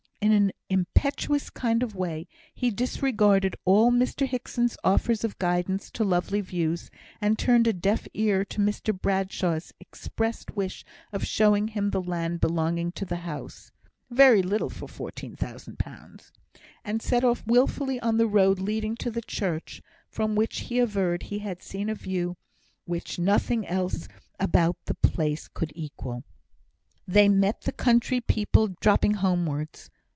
In an impetuous kind of way, he disregarded all Mr Hickson's offers of guidance to lovely views, and turned a deaf ear to Mr Bradshaw's expressed wish of showing him the land belonging to the house ("very little for fourteen thousand pounds"), and set off wilfully on the road leading to the church, from which, he averred, he had seen a view which nothing else about the place could equal. They met the country people dropping homewards.